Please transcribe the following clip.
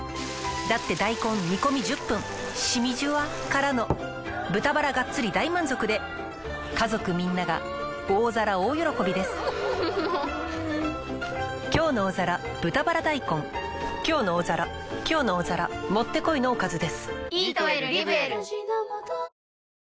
だって大根煮込み１０分しみじゅわからの豚バラがっつり大満足で家族みんなが大皿大喜びです「きょうの大皿」「きょうの大皿」もってこいのおかずです。